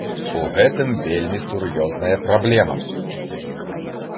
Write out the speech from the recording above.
У гэтым вельмі сур'ёзная праблема.